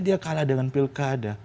dia kalah dengan pilkada